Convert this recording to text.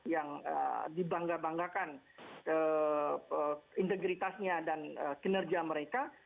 yang dibangga banggakan integritasnya dan kinerja mereka